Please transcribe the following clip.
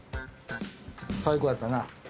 最高やったな。